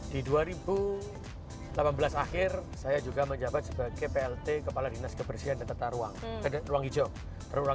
di dua ribu delapan belas akhir saya juga menjabat sebagai plt kepala dinas kebersihan dan tata ruang hijau